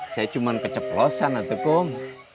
saya cuma keceprosan atuh kum